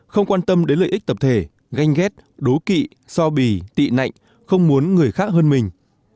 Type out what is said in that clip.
không quan tâm đến lợi ích tập thể ganh ghét đố kỵ so bì tị nạnh không muốn người khác hơn mình